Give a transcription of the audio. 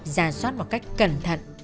giả soát một cách cẩn thận